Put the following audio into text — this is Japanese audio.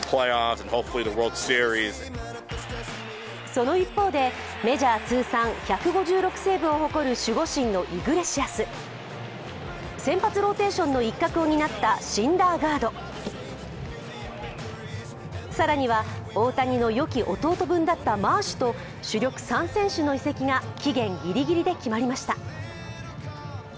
その一方で、メジャー通算１５６セーブを誇る守護神のイグレシアス、先発ローテーションの一角をになったシンダーガード、更には大谷の良き弟分だったマーシュと主力３選手の移籍が期限ギリギリで決まりました。